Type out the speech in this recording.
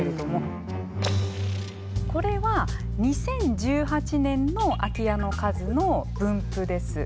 これは２０１８年の空き家の数の分布です。